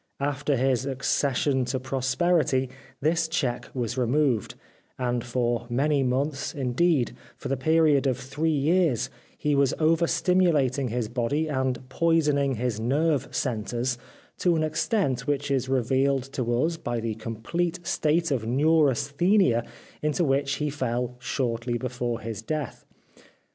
After his accession to pros perity this check was removed, and for many 334 The Life of Oscar Wilde months, indeed, for the period of three years, he was overstimulating his body and poisoning his nerve centres to an extent which is revealed to us by the complete state of neurasthenia into which he fell shortly before his death.